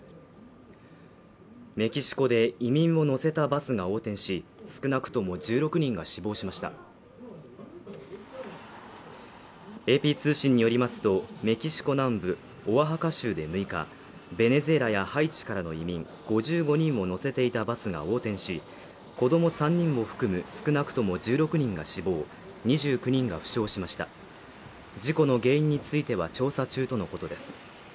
メキシコで移民を乗せたバスが横転し少なくとも１６人が死亡しましたＡＰ通信によりますとメキシコ南部オアハカ州で６日ベネズエラやハイチからの移民５５人を乗せたバスが横転し子供３人を含む少なくとも１６人が死亡２９人が負傷しました事故の原因については調査中とのことです